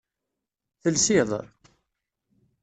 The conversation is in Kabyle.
Telsiḍ?